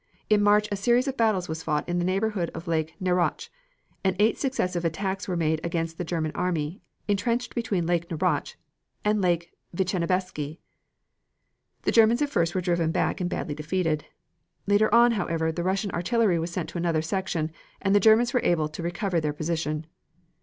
In March a series of battles was fought in the neighborhood of Lake Narotch, and eight successive attacks were made against the German army, intrenched between Lake Narotch and Lake Vischenebski. The Germans at first were driven back and badly defeated. Later on, however, the Russian artillery was sent to another section, and the Germans were able to recover their position.